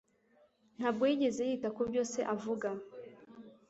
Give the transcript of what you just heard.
Ntabwo yigeze yita kubyo se avuga.